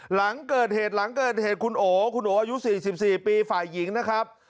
หลังเกิดเหตุหลังเกิดเหตุคุณโอคุณโออายุ๔๔ปีฝ่ายหญิงนะครับ